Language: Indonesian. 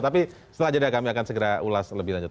tapi setelah jeda kami akan segera ulas lebih lanjut